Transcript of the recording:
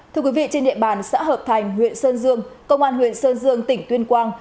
trên địa bàn xã hợp thành huyện sơn dương công an huyện sơn dương tỉnh tuyên quang